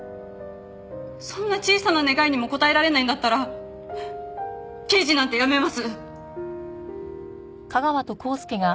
そんな小さな願いにも応えられないんだったら刑事なんて辞めます！